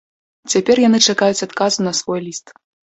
Цяпер яны чакаюць адказу на свой ліст.